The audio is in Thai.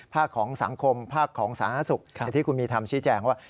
ภาคของสังคมภาคของสาธารณสุขที่คุณมีทำชี้แจงว่า